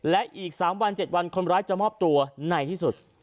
และอีก๓วัน๗วันคนร้ายจะมอบตัวในที่สุด